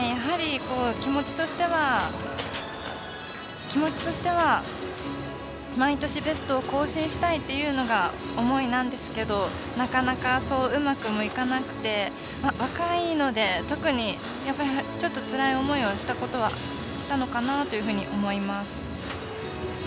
やはり、気持ちとしては毎年ベストを更新したいっていうのが思いなんですがなかなかそう、うまくもいかなくて若いので、特にちょっとつらい思いをしたのかなと思います。